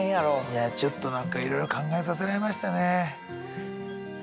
いやちょっと何かいろいろ考えさせられましたね。